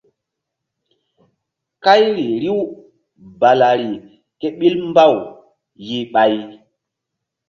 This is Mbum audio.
Kayri riw balari ké ɓil mbaw yih ɓay.